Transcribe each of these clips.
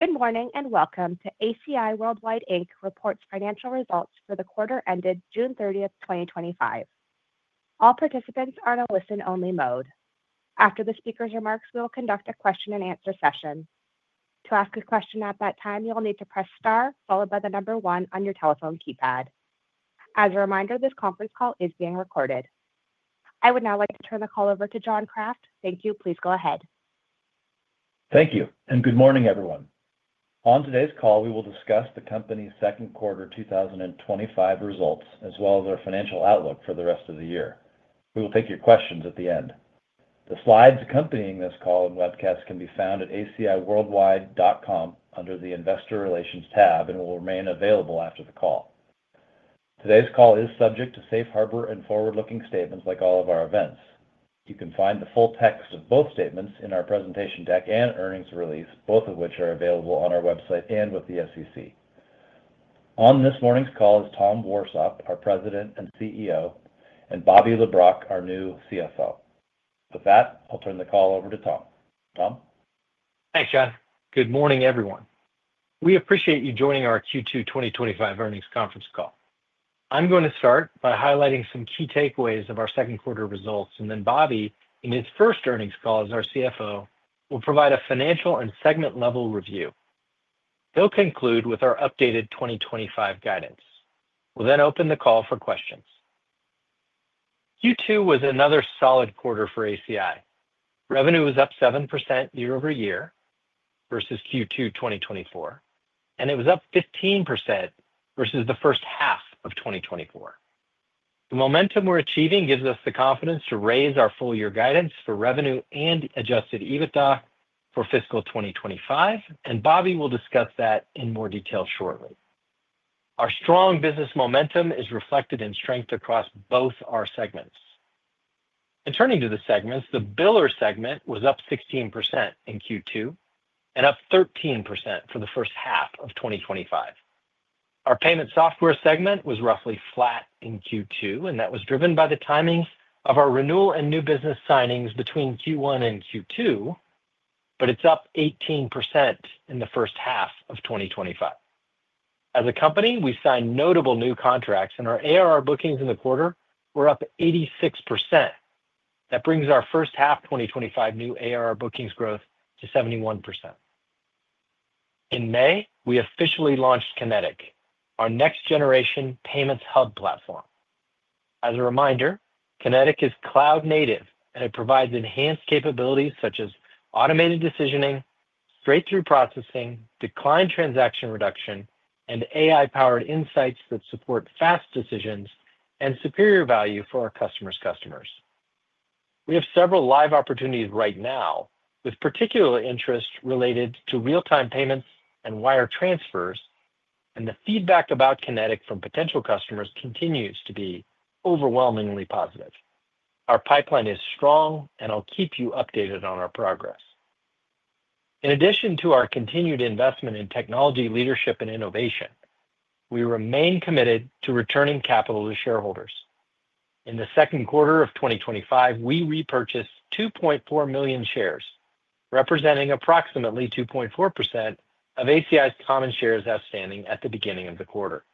Good morning and welcome to ACI Worldwide, Inc. Reports financial results for the quarter ended June 30th, 2025. All participants are in a listen-only mode. After the speaker's remarks, we will conduct a question-and-answer session. To ask a question at that time, you'll need to press star, followed by the number one on your telephone keypad. As a reminder, this conference call is being recorded. I would now like to turn the call over to John Kraft. Thank you. Please go ahead. Thank you. Good morning, everyone. On today's call, we will discuss the company's second quarter 2025 results, as well as our financial outlook for the rest of the year. We will take your questions at the end. The slides accompanying this call and webcast can be found at aciworldwide.com under the Investor Relations tab and will remain available after the call. Today's call is subject to safe harbor and forward-looking statements like all of our events. You can find the full text of both statements in our presentation deck and earnings release, both of which are available on our website and with the SEC. On this morning's call is Tom Warsop, our President and CEO, and Robert Leibrock, our new CFO. With that, I'll turn the call over to Tom. Tom? Thanks, John. Good morning, everyone. We appreciate you joining our Q2 2025 earnings conference call. I'm going to start by highlighting some key takeaways of our second quarter results, and then Bobby, in his first earnings call as our CFO, will provide a financial and segment-level review. He'll conclude with our updated 2025 guidance. We'll then open the call for questions. Q2 was another solid quarter for ACI Worldwide. Revenue was up 7% year-over-year versus Q2 2024, and it was up 15% versus the first half of 2024. The momentum we're achieving gives us the confidence to raise our full-year guidance for revenue and Adjusted EBITDA for fiscal 2025, and Bobby will discuss that in more detail shortly. Our strong business momentum is reflected in strength across both our segments. Turning to the segments, the Biller Segment was up 16% in Q2 and up 13% for the first half of 2025. Our Payment Software Segment was roughly flat in Q2, and that was driven by the timings of our renewal and new business signings between Q1 and Q2, but it's up 18% in the first half of 2025. As a company, we signed notable new contracts, and our ARR bookings in the quarter were up 86%. That brings our first half 2025 new ARR bookings growth to 71%. In May, we officially launched Connetix, our next-generation payments hub platform. As a reminder, Connetix is cloud-native, and it provides enhanced capabilities such as automated decisioning, breakthrough processing, declined transaction reduction, and AI-powered insights that support fast decisions and superior value for our customers' customers. We have several live opportunities right now, with particular interest related to Real-Time Payments and wire transfers, and the feedback about Connetix from potential customers continues to be overwhelmingly positive. Our pipeline is strong, and I'll keep you updated on our progress. In addition to our continued investment in technology leadership and innovation, we remain committed to returning capital to shareholders. In the second quarter of 2025, we repurchased 2.4 million shares, representing approximately 2.4% of ACI's common shares outstanding at the beginning of the quarter.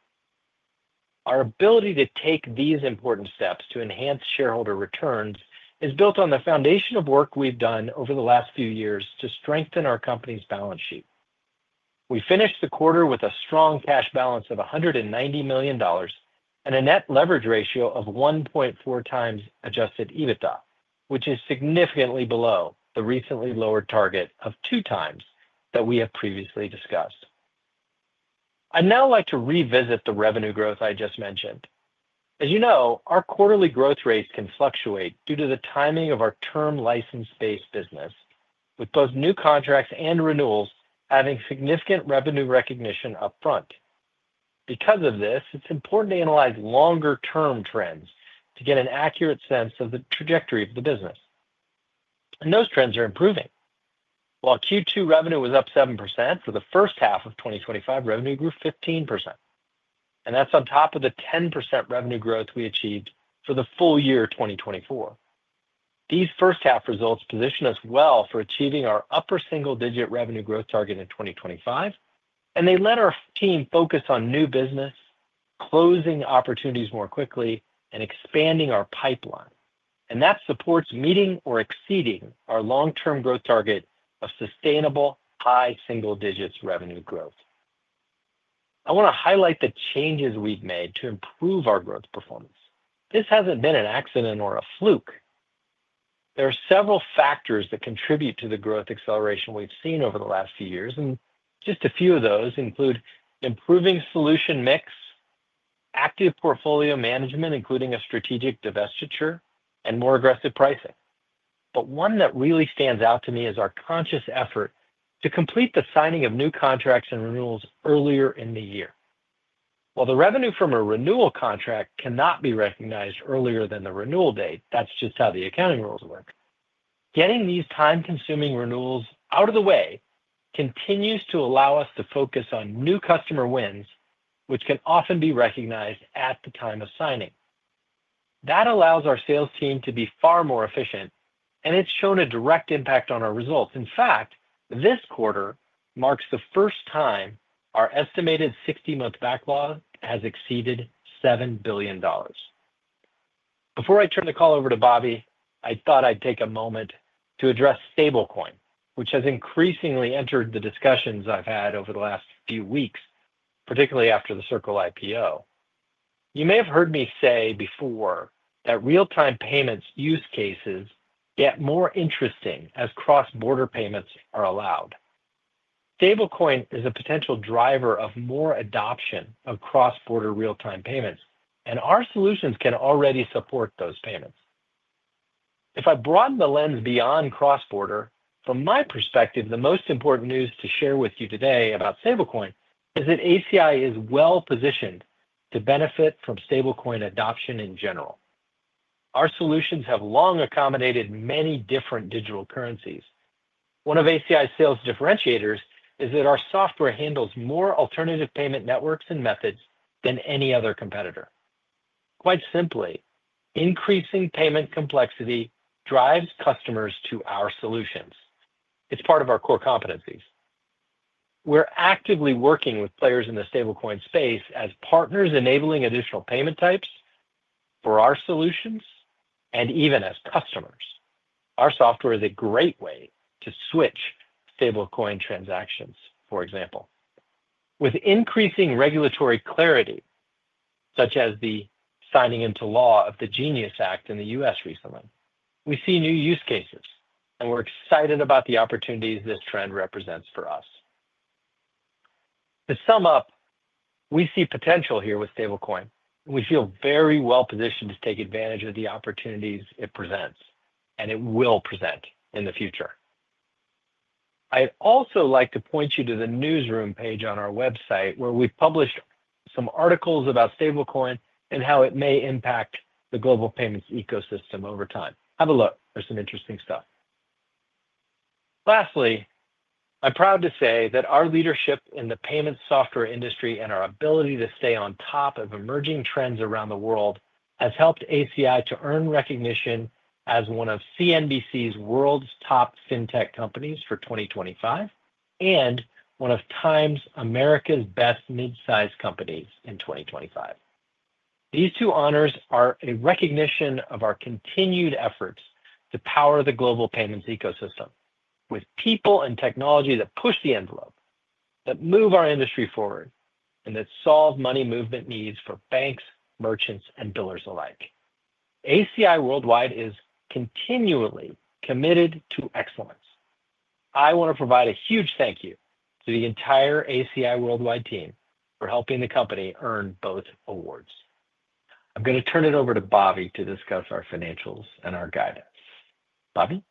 Our ability to take these important steps to enhance shareholder returns is built on the foundation of work we've done over the last few years to strengthen our company's balance sheet. We finished the quarter with a strong cash balance of $190 million and a Net Leverage Ratio of 1.4x Adjusted EBITDA, which is significantly below the recently lowered target of two times that we have previously discussed. I’d now like to revisit the revenue growth I just mentioned. As you know, our quarterly growth rates can fluctuate due to the timing of our term license-based business, with both new contracts and renewals having significant revenue recognition upfront. Because of this, it’s important to analyze longer-term trends to get an accurate sense of the trajectory of the business. Those trends are improving. While Q2 revenue was up 7%, for the first half of 2025, revenue grew 15%. That’s on top of the 10% revenue growth we achieved for the full year 2024. These first-half results position us well for achieving our upper single-digit revenue growth target in 2025, and they let our team focus on new business, closing opportunities more quickly, and expanding our pipeline. That supports meeting or exceeding our long-term growth target of sustainable high single-digit revenue growth. I want to highlight the changes we’ve made to improve our growth performance. This hasn’t been an accident or a fluke. There are several factors that contribute to the growth acceleration we’ve seen over the last few years, and just a few of those include an improving solution mix, active portfolio management, including a strategic divestiture, and more aggressive pricing. One that really stands out to me is our conscious effort to complete the signing of new contracts and renewals earlier in the year. While the revenue from a renewal contract cannot be recognized earlier than the renewal date, that’s just how the accounting rules work. Getting these time-consuming renewals out of the way continues to allow us to focus on new customer wins, which can often be recognized at the time of signing. That allows our sales team to be far more efficient, and it’s shown a direct impact on our results. In fact, this quarter marks the first time our estimated 60-month backlog has exceeded $7 billion. Before I turn the call over to Bobby, I thought I’d take a moment to address Stablecoin, which has increasingly entered the discussions I’ve had over the last few weeks, particularly after the Circle IPO. You may have heard me say before that Real-Time Payments use cases get more interesting as cross-border payments are allowed. Stablecoin is a potential driver of more adoption of cross-border Real-Time Payments, and our solutions can already support those payments. If I broaden the lens beyond cross-border, from my perspective, the most important news to share with you today about Stablecoin is that ACI is well positioned to benefit from Stablecoin adoption in general. Our solutions have long accommodated many different digital currencies. One of ACI's sales differentiators is that our software handles more alternative payment networks and methods than any other competitor. Quite simply, increasing payment complexity drives customers to our solutions. It's part of our core competencies. We're actively working with players in the Stablecoin space as partners enabling additional payment types for our solutions and even as customers. Our software is a great way to switch Stablecoin transactions, for example. With increasing regulatory clarity, such as the signing into law of the GENIUS Act in the U.S. recently. We see new use cases, and we're excited about the opportunities this trend represents for us. To sum up, we see potential here with Stablecoin. We feel very well positioned to take advantage of the opportunities it presents, and it will present in the future. I'd also like to point you to the newsroom page on our website where we've published some articles about Stablecoin and how it may impact the global payments ecosystem over time. Have a look. There's some interesting stuff. Lastly, I'm proud to say that our leadership in the payments software industry and our ability to stay on top of emerging trends around the world has helped ACI to earn recognition as one of CNBC's world's top fintech companies for 2025 and one of TIME's America's best midsize companies in 2025. These two honors are a recognition of our continued efforts to power the global payments ecosystem with people and technology that push the envelope, that move our industry forward, and that solve money movement needs for banks, merchants, and billers alike. ACI Worldwide is continually committed to excellence. I want to provide a huge thank you to the entire ACI Worldwide team for helping the company earn both awards. I'm going to turn it over to Bobby to discuss our financials and our guidance. Bobby?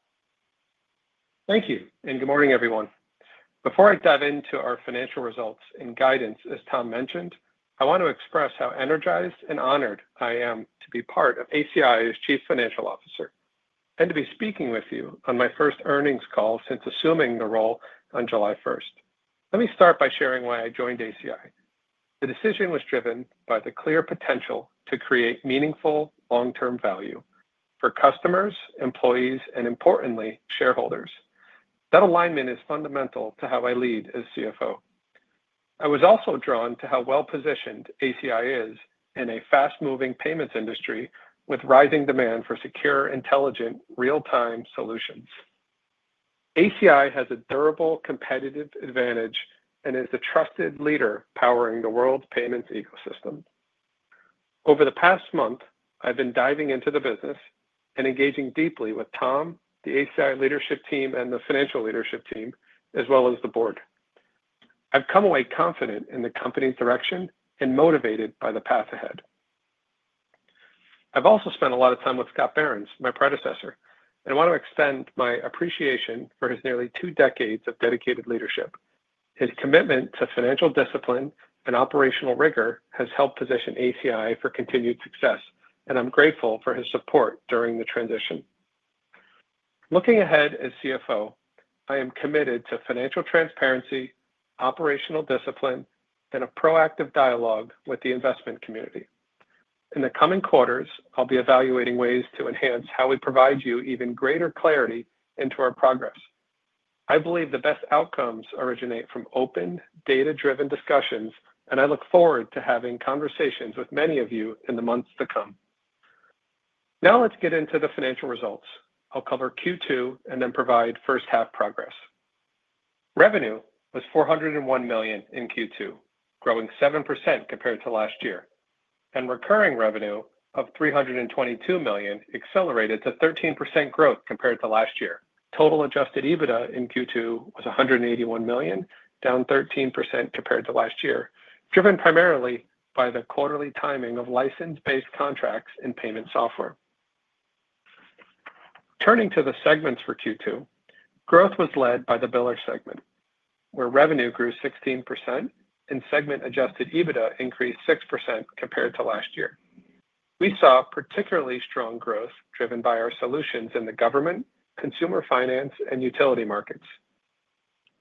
Thank you, and good morning, everyone. Before I dive into our financial results and guidance, as Tom mentioned, I want to express how energized and honored I am to be part of ACI's Chief Financial Officer and to be speaking with you on my first earnings call since assuming the role on July 1st. Let me start by sharing why I joined ACI. The decision was driven by the clear potential to create meaningful long-term value for customers, employees, and importantly, shareholders. That alignment is fundamental to how I lead as CFO. I was also drawn to how well-positioned ACI is in a fast-moving payments industry with rising demand for secure, intelligent, real-time solutions. ACI has a durable competitive advantage and is the trusted leader powering the world's payments ecosystem. Over the past month, I've been diving into the business and engaging deeply with Tom, the ACI leadership team, and the financial leadership team, as well as the board. I've come away confident in the company's direction and motivated by the path ahead. I've also spent a lot of time with Scott Barron, my predecessor, and I want to extend my appreciation for his nearly two decades of dedicated leadership. His commitment to financial discipline and operational rigor has helped position ACI for continued success, and I'm grateful for his support during the transition. Looking ahead as CFO, I am committed to financial transparency, operational discipline, and a proactive dialogue with the investment community. In the coming quarters, I'll be evaluating ways to enhance how we provide you even greater clarity into our progress. I believe the best outcomes originate from open, data-driven discussions, and I look forward to having conversations with many of you in the months to come. Now let's get into the financial results. I'll cover Q2 and then provide first-half progress. Revenue was $401 million in Q2, growing 7% compared to last year, and recurring revenue of $322 million accelerated to 13% growth compared to last year. Total Adjusted EBITDA in Q2 was $181 million, down 13% compared to last year, driven primarily by the quarterly timing of license-based contracts and payment software. Turning to the segments for Q2, growth was led by the Biller Segment, where revenue grew 16% and segment-Adjusted EBITDA increased 6% compared to last year. We saw particularly strong growth driven by our solutions in the government, consumer finance, and utility markets.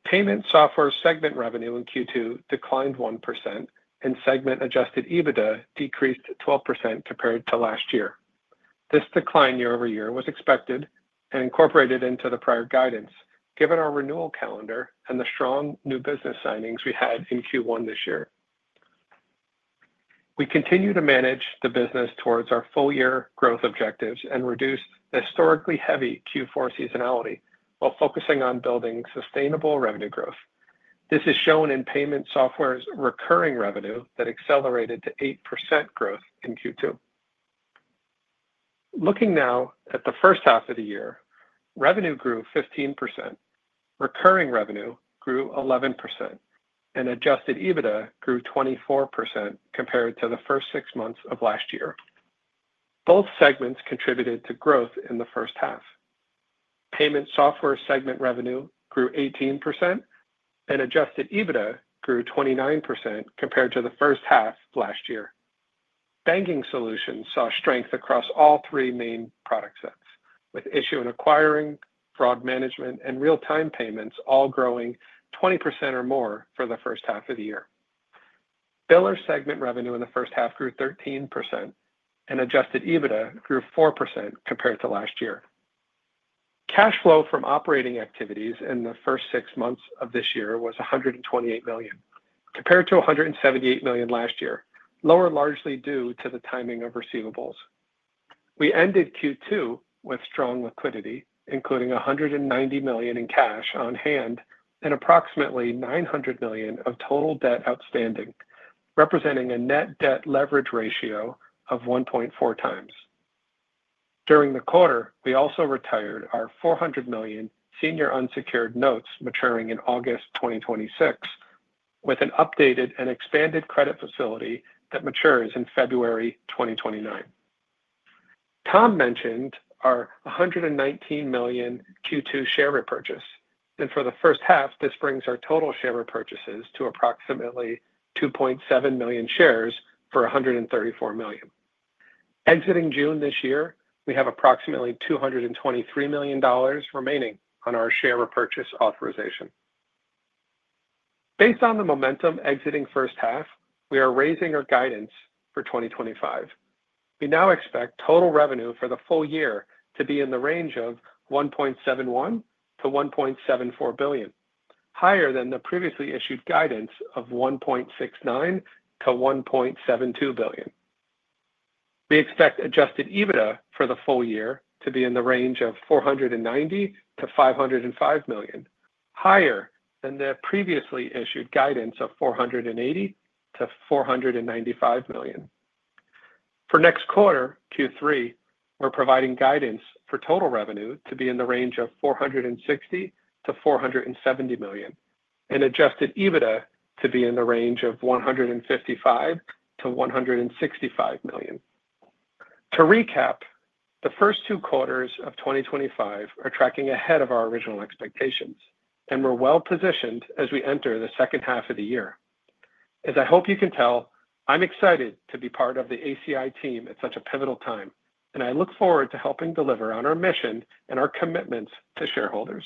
Payment Software Segment revenue in Q2 declined 1%, and segment-Adjusted EBITDA decreased 12% compared to last year. This decline year over year was expected and incorporated into the prior guidance, given our renewal calendar and the strong new business signings we had in Q1 this year. We continue to manage the business towards our full-year growth objectives and reduce historically heavy Q4 seasonality while focusing on building sustainable revenue growth. This is shown in payment software's recurring revenue that accelerated to 8% growth in Q2. Looking now at the first half of the year, revenue grew 15%, recurring revenue grew 11%, and Adjusted EBITDA grew 24% compared to the first six months of last year. Both segments contributed to growth in the first half. Payment Software Segment revenue grew 18%, and Adjusted EBITDA grew 29% compared to the first half last year. Banking solutions saw strength across all three main product sets, with issuing, acquiring, fraud management, and Real-Time Payments all growing 20% or more for the first half of the year. Biller Segment revenue in the first half grew 13%, and Adjusted EBITDA grew 4% compared to last year. Cash flow from operating activities in the first six months of this year was $128 million, compared to $178 million last year, lower largely due to the timing of receivables. We ended Q2 with strong liquidity, including $190 million in cash on hand and approximately $900 million of total debt outstanding, representing a net debt leverage ratio of 1.4x. During the quarter, we also retired our $400 million senior unsecured notes maturing in August 2026, with an updated and expanded credit facility that matures in February 2029. Tom mentioned our $119 million Q2 share repurchase, and for the first half, this brings our total share repurchases to approximately 2.7 million shares for $134 million. Exiting June this year, we have approximately $223 million remaining on our share repurchase authorization. Based on the momentum exiting first half, we are raising our guidance for 2025. We now expect total revenue for the full year to be in the range of $1.71 billion-$1.74 billion, higher than the previously issued guidance of $1.69 billion-$1.72 billion. We expect Adjusted EBITDA for the full year to be in the range of $490 million-$505 million, higher than the previously issued guidance of $480 million-$495 million. For next quarter, Q3, we're providing guidance for total revenue to be in the range of $460 million-$470 million, and Adjusted EBITDA to be in the range of $155 million-$165 million. To recap, the first two quarters of 2025 are tracking ahead of our original expectations, and we're well positioned as we enter the second half of the year. As I hope you can tell, I'm excited to be part of the ACI team at such a pivotal time, and I look forward to helping deliver on our mission and our commitments to shareholders.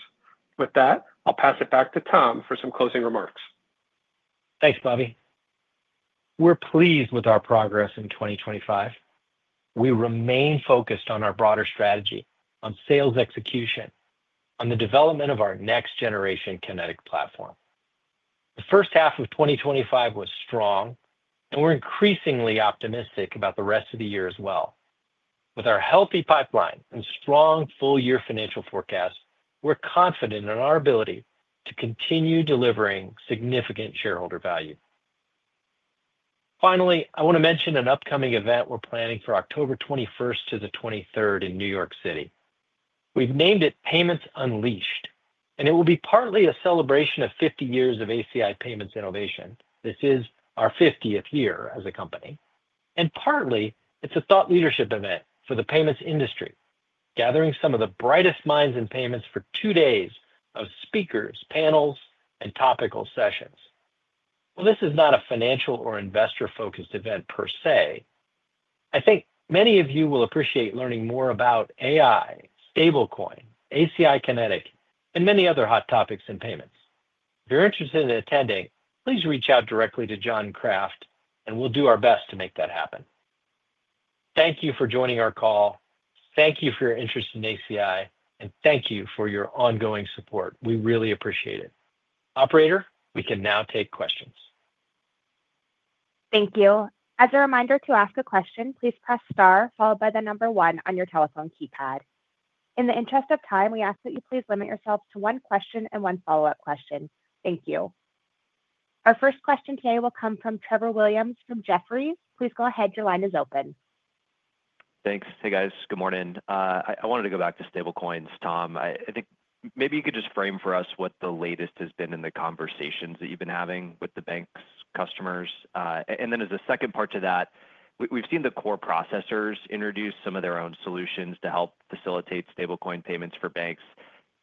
With that, I'll pass it back to Tom for some closing remarks. Thanks, Bobby. We're pleased with our progress in 2025. We remain focused on our broader strategy, on sales execution, and the development of our next-generation Connetix platform. The first half of 2025 was strong, and we're increasingly optimistic about the rest of the year as well. With our healthy pipeline and strong full-year financial forecasts, we're confident in our ability to continue delivering significant shareholder value. Finally, I want to mention an upcoming event we're planning for October 21st to the 23rd in New York City. We've named it Payments Unleashed, and it will be partly a celebration of 50 years of ACI payments innovation. This is our 50th year as a company, and partly it's a thought leadership event for the payments industry, gathering some of the brightest minds in payments for two days of speakers, panels, and topical sessions. This is not a financial or investor-focused event per se. I think many of you will appreciate learning more about AI, Stablecoin, ACI Connetix, and many other hot topics in payments. If you're interested in attending, please reach out directly to John Kraft, and we'll do our best to make that happen. Thank you for joining our call. Thank you for your interest in ACI, and thank you for your ongoing support. We really appreciate it. Operator, we can now take questions. Thank you. As a reminder, to ask a question, please press star followed by the number one on your telephone keypad. In the interest of time, we ask that you please limit yourselves to one question and one follow-up question. Thank you. Our first question today will come from Trevor Williams from Jefferies. Please go ahead. Your line is open. Thanks. Hey, guys. Good morning. I wanted to go back to Stablecoins, Tom. I think maybe you could just frame for us what the latest has been in the conversations that you've been having with the banks' customers. As a second part to that, we've seen the core processors introduce some of their own solutions to help facilitate Stablecoin payments for banks.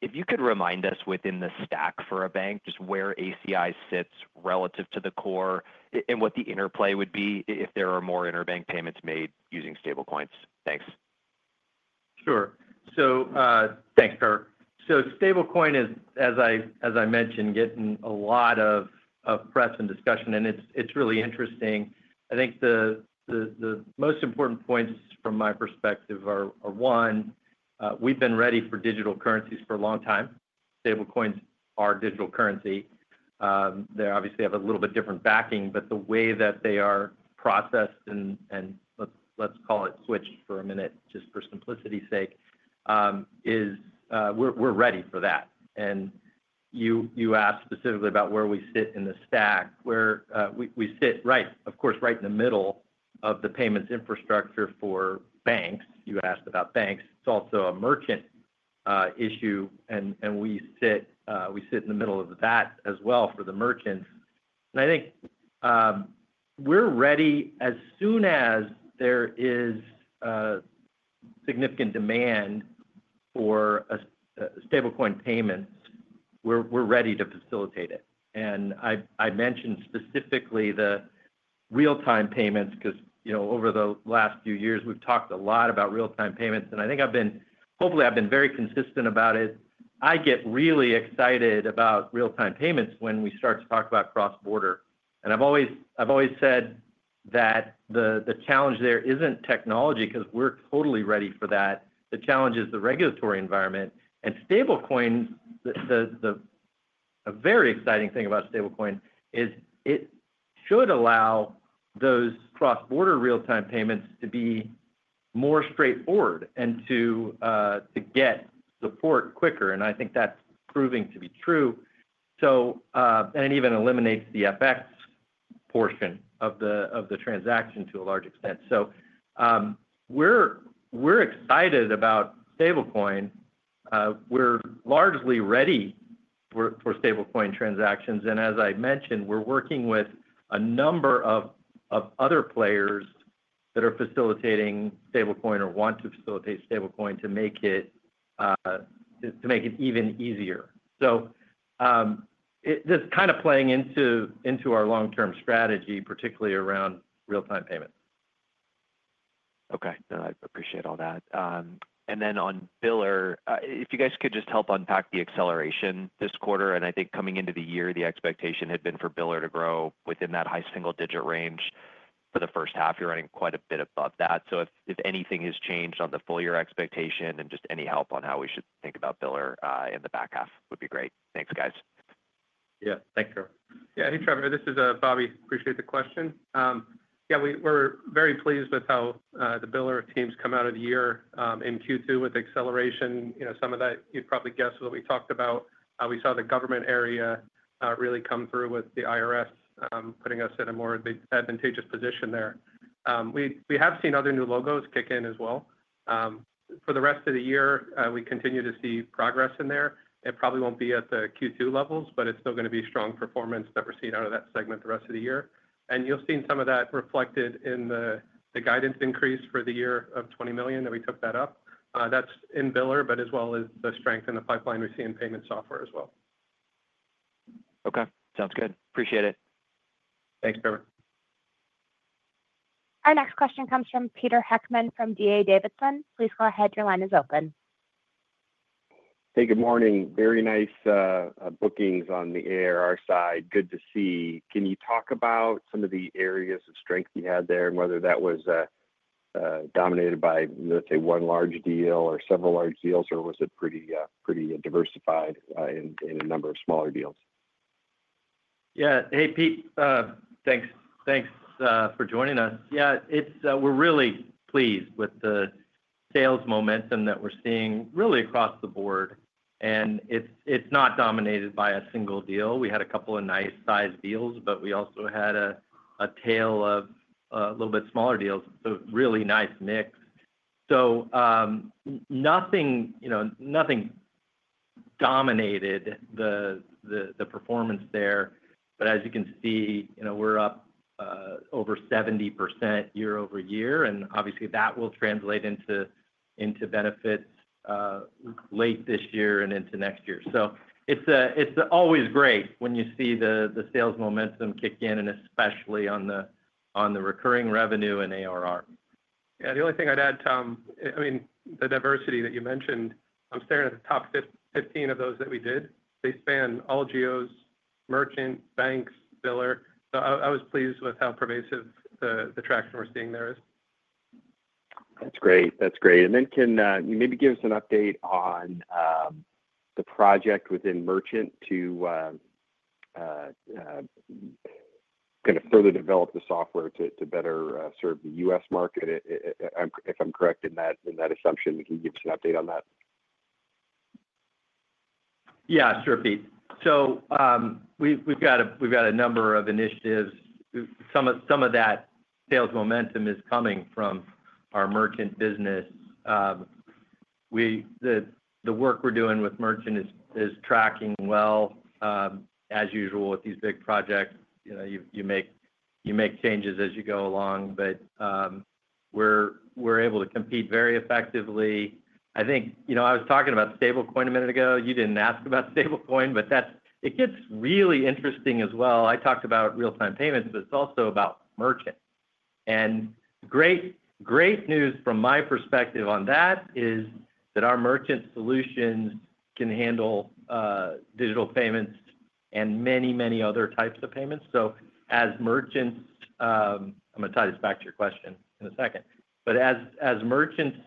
If you could remind us within the stack for a bank just where ACI sits relative to the core and what the interplay would be if there are more interbank payments made using Stablecoins. Thanks. Sure. Thanks, Trevor. Stablecoin is, as I mentioned, getting a lot of press and discussion, and it's really interesting. I think the most important points from my perspective are, one, we've been ready for digital currencies for a long time. Stablecoins are digital currency. They obviously have a little bit different backing, but the way that they are processed and, let's call it, switched for a minute, just for simplicity's sake, is we're ready for that. You asked specifically about where we sit in the stack. We sit right, of course, right in the middle of the payments infrastructure for banks. You asked about banks. It's also a merchant issue, and we sit in the middle of that as well for the merchants. I think we're ready as soon as there is significant demand for Stablecoin payments. We're ready to facilitate it. I mentioned specifically the Real-Time Payments because over the last few years, we've talked a lot about Real-Time Payments, and I think I've been, hopefully, I've been very consistent about it. I get really excited about Real-Time Payments when we start to talk about cross-border. I've always said that the challenge there isn't technology because we're totally ready for that. The challenge is the regulatory environment. Stablecoins, a very exciting thing about Stablecoin, is it should allow those cross-border Real-Time Payments to be more straightforward and to get support quicker. I think that's proving to be true. It even eliminates the FX portion of the transaction to a large extent. We're excited about Stablecoin. We're largely ready for Stablecoin transactions. As I mentioned, we're working with a number of other players that are facilitating Stablecoin or want to facilitate Stablecoin to make it even easier. That's kind of playing into our long-term strategy, particularly around Real-Time Payments. Ok. I appreciate all that. On Biller, if you guys could just help unpack the acceleration this quarter. I think coming into the year, the expectation had been for biller to grow within that high single-digit range. For the first half, you're running quite a bit above that. If anything has changed on the full-year expectation and just any help on how we should think about biller in the back half would be great. Thanks, guys. Yeah, thanks, Trevor. Yeah. Hey, Trevor. This is Bobby. Appreciate the question. Yeah, we're very pleased with how the biller teams come out of the year in Q2 with acceleration. Some of that, you'd probably guess, is what we talked about. We saw the government area really come through with the IRS putting us in a more advantageous position there. We have seen other new logos kick in as well. For the rest of the year, we continue to see progress in there. It probably won't be at the Q2 levels, but it's still going to be strong performance that we're seeing out of that segment the rest of the year. You'll see some of that reflected in the guidance increase for the year of $20 million that we took that up. That's in biller, but as well as the strength in the pipeline we see in payment software as well. Ok, sounds good. Appreciate it. Thanks, Trevor. Our next question comes from Peter Heckmann from D.A. Davidson. Please go ahead. Your line is open. Good morning. Very nice bookings on the ARR side. Good to see. Can you talk about some of the areas of strength you had there, and whether that was dominated by, let's say, one large deal or several large deals, or was it pretty diversified in a number of smaller deals? Yeah. Hey, Pete. Thanks for joining us. We're really pleased with the sales momentum that we're seeing across the board. It's not dominated by a single deal. We had a couple of nice-sized deals, but we also had a tail of a little bit smaller deals, a really nice mix. Nothing dominated the performance there. As you can see, we're up over 70% year-over-year. Obviously, that will translate into benefits late this year and into next year. It's always great when you see the sales momentum kick in, especially on the recurring revenue and ARR. Yeah. The only thing I'd add, Tom, I mean, the diversity that you mentioned, I'm staring at the top 15 of those that we did. They span all goes, merchants, banks, biller. I was pleased with how pervasive the traction we're seeing there is. That's great. Can you maybe give us an update on the project within merchant to kind of further develop the software to better serve the U.S. market? If I'm correct in that assumption, can you give us an update on that? Yeah. Sure, Pete. We've got a number of initiatives. Some of that sales momentum is coming from our merchant business. The work we're doing with merchant is tracking well. As usual with these big projects, you make changes as you go along, but we're able to compete very effectively. I think, you know, I was talking about Stablecoin a minute ago. You didn't ask about Stablecoin, but it gets really interesting as well. I talked about Real-Time Payments, but it's also about merchant. Great news from my perspective on that is that our merchant solutions can handle digital payments and many, many other types of payments. As merchants, I'm going to tie this back to your question in a second. As merchants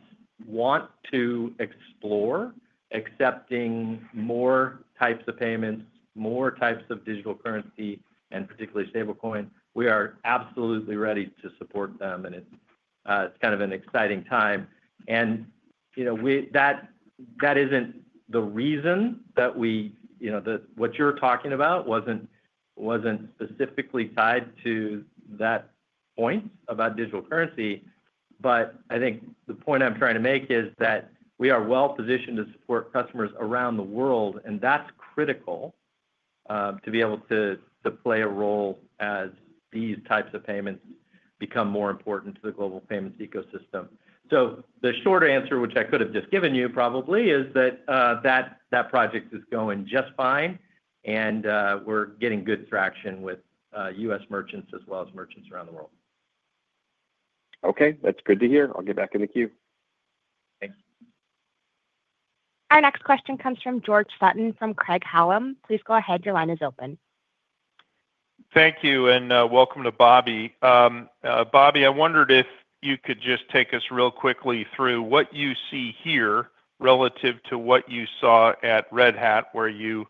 want to explore accepting more types of payments, more types of digital currency, and particularly Stablecoin, we are absolutely ready to support them. It's kind of an exciting time. That isn't the reason that we, you know, what you're talking about wasn't specifically tied to that point about digital currency. I think the point I'm trying to make is that we are well positioned to support customers around the world. That's critical to be able to play a role as these types of payments become more important to the global payments ecosystem. The short answer, which I could have just given you probably, is that that project is going just fine. We're getting good traction with U.S. merchants as well as merchants around the world. Ok, that's good to hear. I'll get back in the queue. Thanks. Our next question comes from George Sutton from Craig-Hallum. Please go ahead. Your line is open. Thank you. Welcome to Bobby. Bobby, I wondered if you could just take us real quickly through what you see here relative to what you saw at Red Hat, where you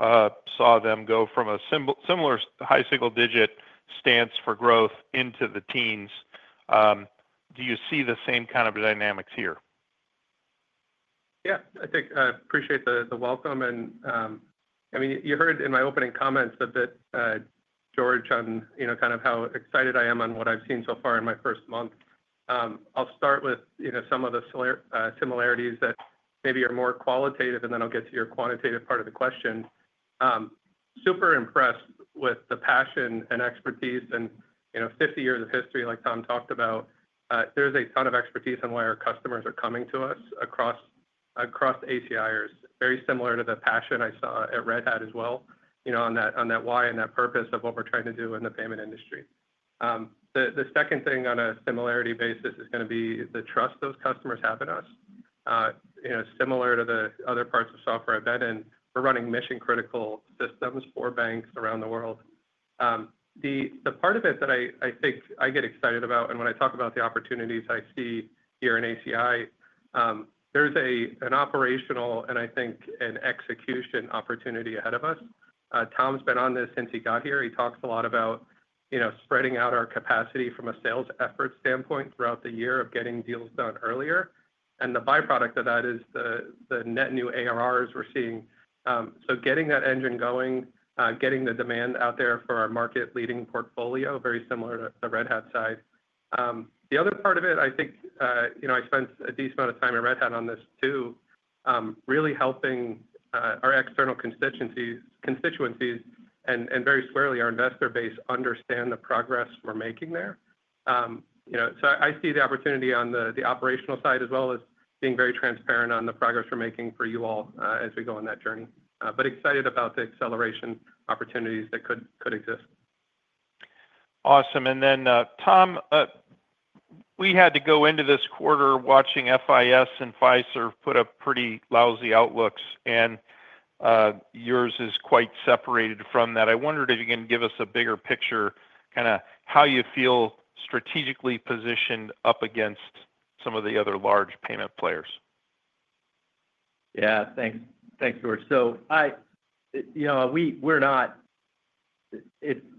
saw them go from a similar high single-digit stance for growth into the teens. Do you see the same kind of dynamics here? Yeah. I think I appreciate the welcome. I mean, you heard in my opening comments a bit, George, on kind of how excited I am on what I've seen so far in my first month. I'll start with some of the similarities that maybe are more qualitative, and then I'll get to your quantitative part of the question. Super impressed with the passion and expertise. Fifty years of history, like Tom talked about, there's a ton of expertise in why our customers are coming to us across ACI is very similar to the passion I saw at Red Hat as well, on that why and that purpose of what we're trying to do in the payment industry. The second thing on a similarity basis is going to be the trust those customers have in us, similar to the other parts of software I've been in. We're running mission-critical systems for banks around the world. The part of it that I think I get excited about, and when I talk about the opportunities I see here in ACI, there's an operational and, I think, an execution opportunity ahead of us. Tom's been on this since he got here. He talks a lot about spreading out our capacity from a sales effort standpoint throughout the year of getting deals done earlier. The byproduct of that is the net new ARRs we're seeing. Getting that engine going, getting the demand out there for our market-leading portfolio, very similar to the Red Hat side. The other part of it, I think I spent a decent amount of time at Red Hat on this too, really helping our external constituencies and very squarely our investor base understand the progress we're making there. I see the opportunity on the operational side as well as being very transparent on the progress we're making for you all as we go on that journey. Excited about the acceleration opportunities that could exist. Awesome. Tom, we had to go into this quarter watching FIS and Fiserv put up pretty lousy outlooks, and yours is quite separated from that. I wondered if you can give us a bigger picture, kind of how you feel strategically positioned up against some of the other large payment players. Thanks, George.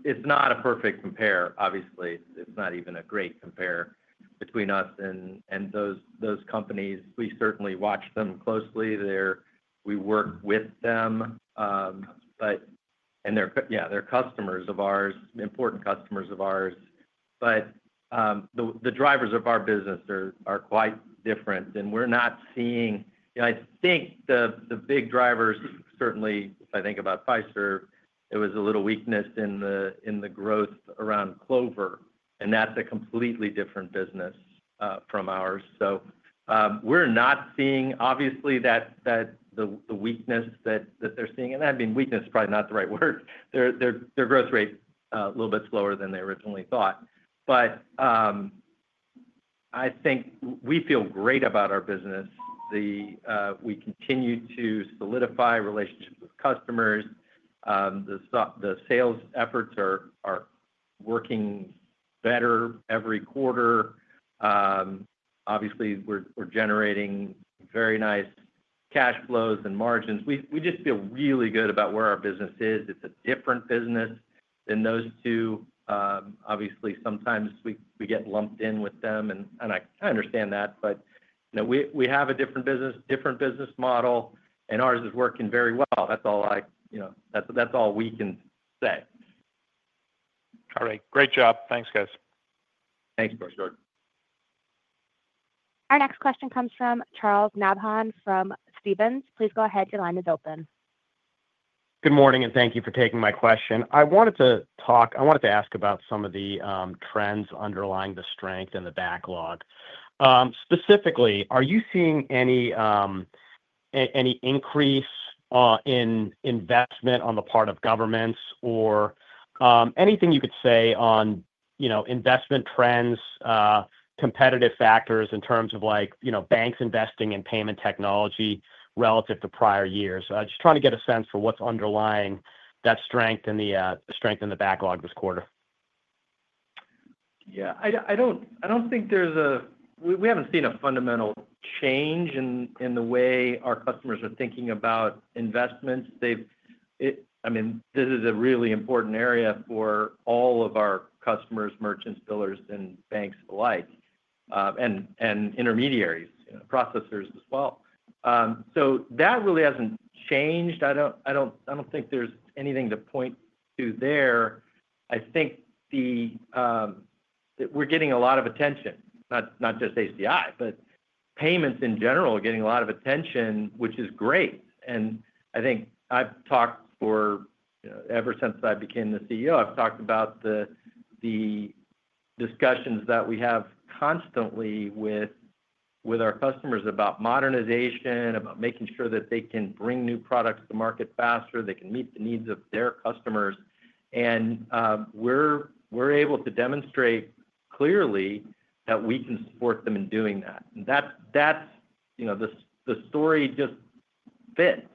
It's not a perfect compare, obviously. It's not even a great compare between us and those companies. We certainly watch them closely. We work with them. They're customers of ours, important customers of ours. The drivers of our business are quite different. We're not seeing, I think the big drivers certainly, I think about Fiserv, it was a little weakness in the growth around Clover. That's a completely different business from ours. We're not seeing, obviously, the weakness that they're seeing. Weakness is probably not the right word. Their growth rate is a little bit slower than they originally thought. I think we feel great about our business. We continue to solidify relationships with customers. The sales efforts are working better every quarter. Obviously, we're generating very nice cash flows and margins. We just feel really good about where our business is. It's a different business than those two. Sometimes we get lumped in with them, and I understand that. We have a different business model, and ours is working very well. That's all we can say. All right. Great job. Thanks, guys. Thanks, George. Our next question comes from Charles Nabhan from Stephens. Please go ahead. Your line is open. Good morning, and thank you for taking my question. I wanted to ask about some of the trends underlying the strength in the backlog. Specifically, are you seeing any increase in investment on the part of governments or anything you could say on investment trends, competitive factors in terms of banks investing in payment technology relative to prior years? Just trying to get a sense for what's underlying that strength in the backlog this quarter. I don't think there's a, we haven't seen a fundamental change in the way our customers are thinking about investments. This is a really important area for all of our customers, merchants, billers, and banks alike, and intermediaries, processors as well. That really hasn't changed. I don't think there's anything to point to there. I think we're getting a lot of attention, not just ACI, but payments in general are getting a lot of attention, which is great. I've talked, ever since I became the CEO, about the discussions that we have constantly with our customers about modernization, about making sure that they can bring new products to the market faster, they can meet the needs of their customers. We're able to demonstrate clearly that we can support them in doing that. The story just fits.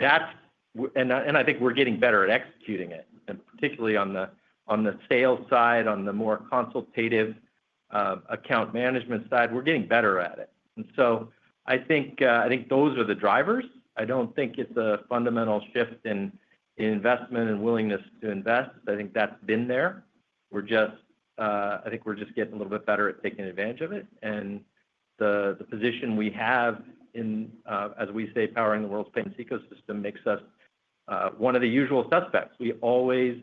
I think we're getting better at executing it, and particularly on the sales side, on the more consultative account management side, we're getting better at it. I think those are the drivers. I don't think it's a fundamental shift in investment and willingness to invest. I think that's been there. We're just getting a little bit better at taking advantage of it. The position we have in, as we say, powering the world's payments ecosystem makes us one of the usual suspects. We always,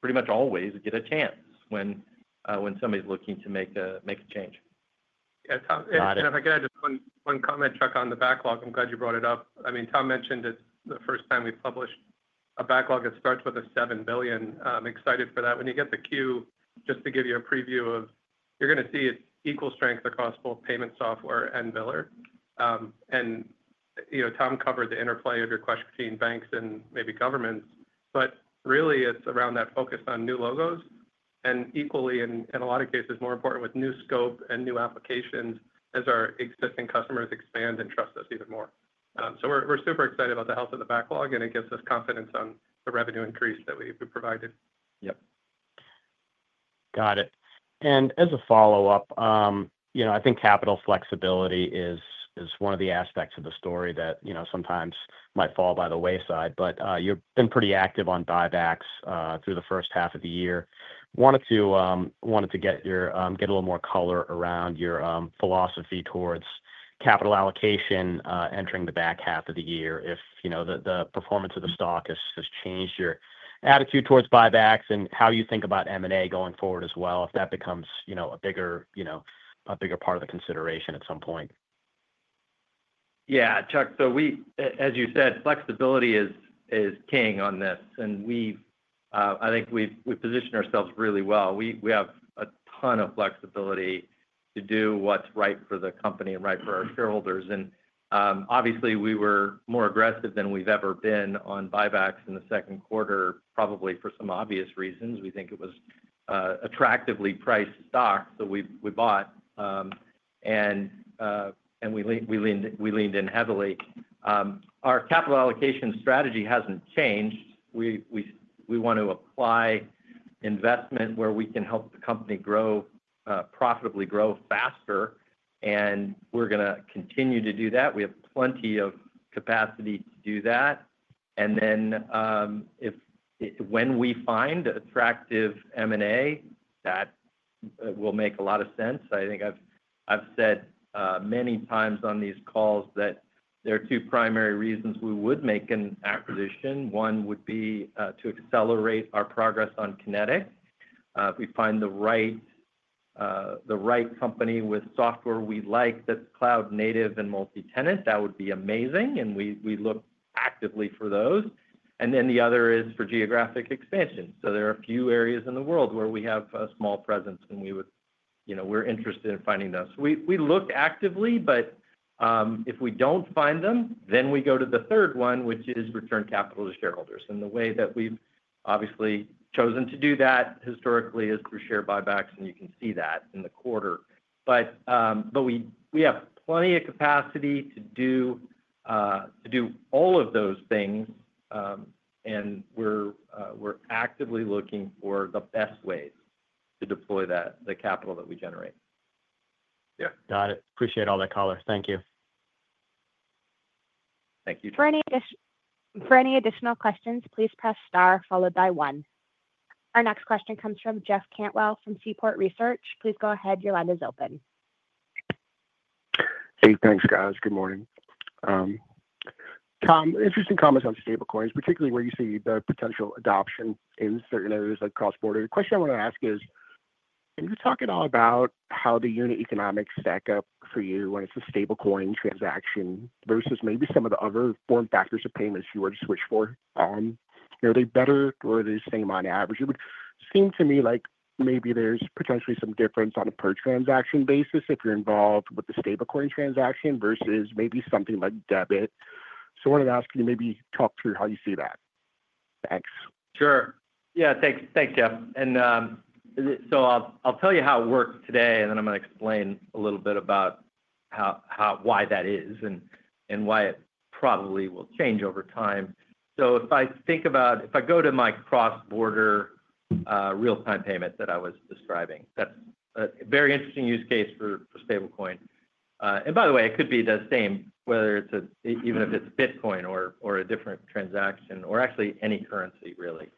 pretty much always, get a chance when somebody's looking to make a change. Yeah, Tom. If I could add just one comment, Chuck, on the backlog, I'm glad you brought it up. Tom mentioned it's the first time we've published a backlog that starts with a $7 billion. I'm excited for that. When you get the queue, just to give you a preview, you're going to see it equal strength across both Payment Software and Biller. Tom covered the interplay of your question between banks and maybe governments. It's really around that focus on new logos, and equally, in a lot of cases, more important with new scope and new applications as our existing customers expand and trust us even more. We're super excited about the health of the backlog, and it gives us confidence on the revenue increase that we've provided. Got it. As a follow-up, I think capital flexibility is one of the aspects of the story that sometimes might fall by the wayside. You've been pretty active on buybacks through the first half of the year. I wanted to get a little more color around your philosophy towards capital allocation entering the back half of the year. If the performance of the stock has changed your attitude towards buybacks and how you think about M&A going forward as well, if that becomes a bigger part of the consideration at some point. Yeah, Chuck. As you said, flexibility is king on this. I think we've positioned ourselves really well. We have a ton of flexibility to do what's right for the company and right for our shareholders. Obviously, we were more aggressive than we've ever been on buybacks in the second quarter, probably for some obvious reasons. We think it was an attractively priced stock, so we bought, and we leaned in heavily. Our capital allocation strategy hasn't changed. We want to apply investment where we can help the company grow profitably, grow faster, and we're going to continue to do that. We have plenty of capacity to do that. When we find attractive M&A, that will make a lot of sense. I think I've said many times on these calls that there are two primary reasons we would make an acquisition. One would be to accelerate our progress on Connetix. If we find the right company with software we like that's cloud-native and multi-tenant, that would be amazing, and we look actively for those. The other is for geographic expansion. There are a few areas in the world where we have a small presence, and we're interested in finding those. We look actively, but if we don't find them, we go to the third one, which is return capital to shareholders. The way that we've obviously chosen to do that historically is through share buybacks, and you can see that in the quarter. We have plenty of capacity to do all of those things, and we're actively looking for the best ways to deploy the capital that we generate. Got it. Appreciate all that color. Thank you. Thank you, Charles For any additional questions, please press star followed by one. Our next question comes from Jeff Cantwell from Seaport Research. Please go ahead. Your line is open. Hey, thanks, guys. Good morning. Tom, interesting comments on Stablecoins, particularly where you see the potential adoption in certain areas like cross-border. The question I want to ask is, can you talk at all about how the unit economics stack up for you when it's a Stablecoin transaction versus maybe some of the other form factors of payments you would switch for? Are they better or are they the same on average? It would seem to me like maybe there's potentially some difference on a per-transaction basis if you're involved with the Stablecoin transaction versus maybe something like debit. I wanted to ask you to maybe talk through how you see that. Thanks. Sure. Yeah, thanks. Thanks, Jeff. I'll tell you how it works today, and then I'm going to explain a little bit about why that is and why it probably will change over time. If I think about, if I go to my cross-border real-time payment that I was describing, that's a very interesting use case for Stablecoin. By the way, it could be the same whether it's a, even if it's a Bitcoin or a different transaction or actually any currency, really.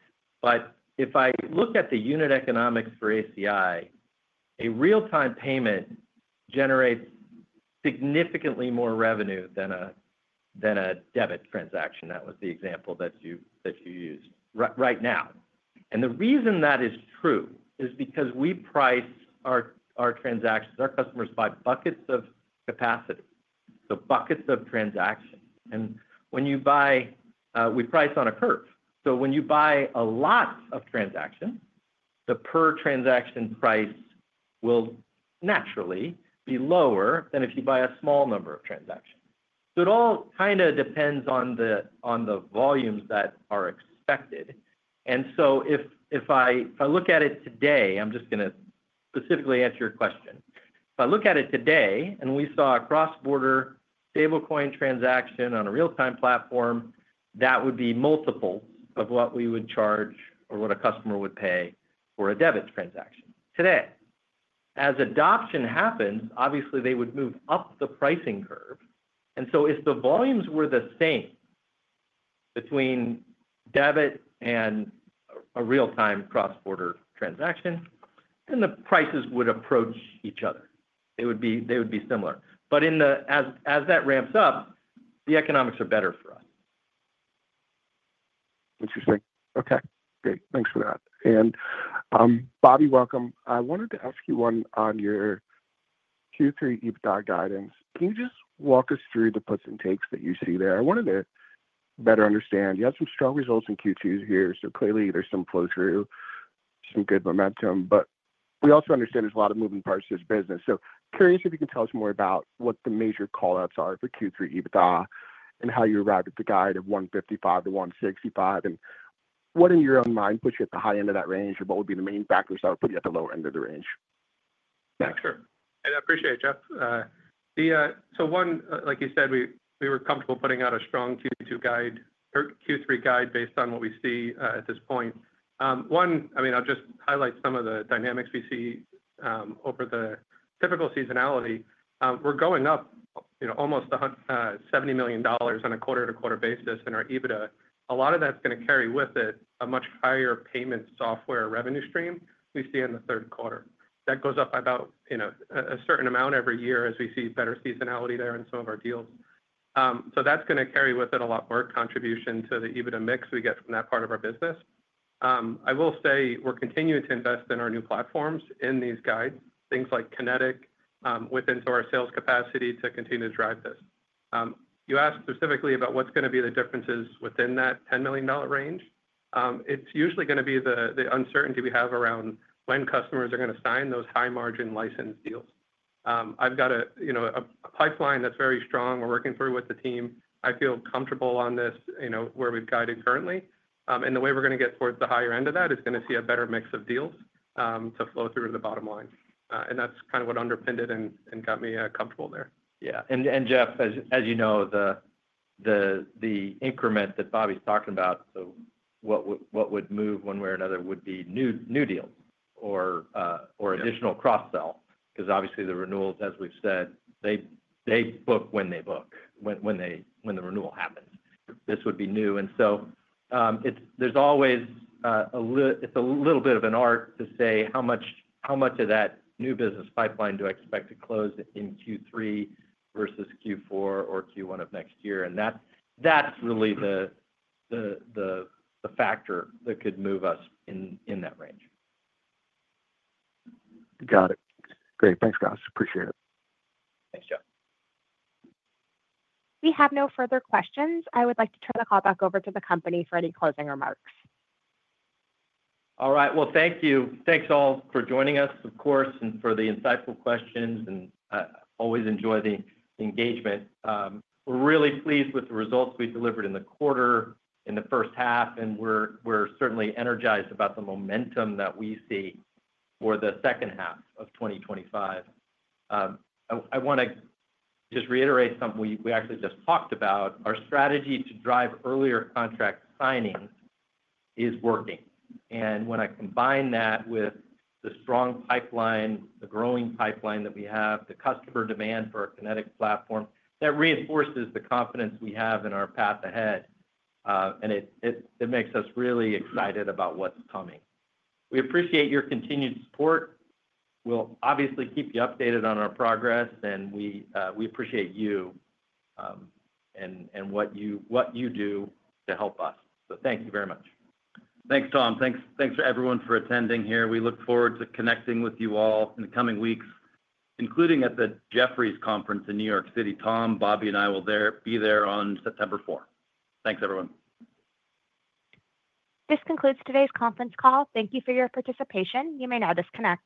If I look at the unit economics for ACI, a real-time payment generates significantly more revenue than a debit transaction. That was the example that you used right now. The reason that is true is because we price our transactions, our customers buy buckets of capacity, so buckets of transactions. When you buy, we price on a curve. When you buy a lot of transactions, the per-transaction price will naturally be lower than if you buy a small number of transactions. It all kind of depends on the volumes that are expected. If I look at it today, I'm just going to specifically answer your question. If I look at it today and we saw a cross-border Stablecoin transaction on a real-time platform, that would be multiple of what we would charge or what a customer would pay for a debit transaction today. As adoption happens, obviously, they would move up the pricing curve. If the volumes were the same between debit and a real-time cross-border transaction, then the prices would approach each other. They would be similar. As that ramps up, the economics are better for us. Interesting. Ok. Great. Thanks for that. And Bobby, welcome. I wanted to ask you one on your Q3 Adjusted EBITDA guidance. Can you just walk us through the puts and takes that you see there? I wanted to better understand. You had some strong results in Q2 here. Clearly, there's some flow-through and good momentum. We also understand there's a lot of moving parts to this business. Curious if you can tell us more about what the major callouts are for Q3 Adjusted EBITDA and how you arrived at the guide of $155 million-$165 million. What in your own mind puts you at the high end of that range, or what would be the main factors that would put you at the lower end of the range? Yeah, sure. I appreciate it, Jeff. Like you said, we were comfortable putting out a strong Q2 guide or Q3 guide based on what we see at this point. I'll just highlight some of the dynamics we see over the typical seasonality. We're going up almost $70 million on a quarter-to-quarter basis in our EBITDA. A lot of that's going to carry with it a much higher payment software revenue stream we see in the third quarter. That goes up by about a certain amount every year as we see better seasonality there in some of our deals. That's going to carry with it a lot more contribution to the EBITDA mix we get from that part of our business. I will say we're continuing to invest in our new platforms in these guides, things like Connetix, within our sales capacity to continue to drive this. You asked specifically about what's going to be the differences within that $10 million range. It's usually going to be the uncertainty we have around when customers are going to sign those high-margin license deals. I've got a pipeline that's very strong. We're working through it with the team. I feel comfortable on this where we've guided currently. The way we're going to get towards the higher end of that is going to see a better mix of deals to flow through to the bottom line. That's what underpinned it and got me comfortable there. Yeah. Jeff, as you know, the increment that Bobby's talking about, what would move one way or another would be new deals or additional cross-sell. Obviously, the renewals, as we've said, they book when they book, when the renewal happens. This would be new. There's always a little bit of an arc to say how much of that new business pipeline do I expect to close in Q3 versus Q4 or Q1 of next year. That's really the factor that could move us in that range. Got it. Great. Thanks, guys. Appreciate it. Thanks, Thomas. We have no further questions. I would like to turn the call back over to the company for any closing remarks. Thank you. Thanks all for joining us, of course, and for the insightful questions. I always enjoy the engagement. We're really pleased with the results we delivered in the quarter in the first half, and we're certainly energized about the momentum that we see for the second half of 2025. I want to just reiterate something we actually just talked about. Our strategy to drive earlier contract signings is working. When I combine that with the strong pipeline, the growing pipeline that we have, the customer demand for our Connetix platform, that reinforces the confidence we have in our path ahead. It makes us really excited about what's coming. We appreciate your continued support. We'll obviously keep you updated on our progress, and we appreciate you and what you do to help us. Thank you very much. Thanks, Tom. Thanks everyone for attending here. We look forward to connecting with you all in the coming weeks, including at the Jefferies conference in New York City. Tom, Bobby, and I will be there on September 4th. Thanks, everyone. This concludes today's conference call. Thank you for your participation. You may now disconnect.